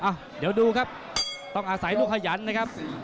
อ่ะเดี๋ยวดูครับต้องอาศัยลูกขยันนะครับ